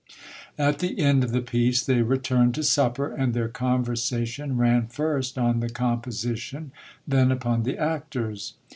At the end of the piece they returned to supper, and their conversation ran first on the composition, then upon the actors.